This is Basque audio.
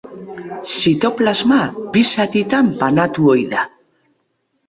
Zitoplasma bi zatitan banatu ohi da.